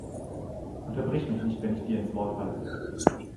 Unterbrich mich nicht, wenn ich dir ins Wort falle!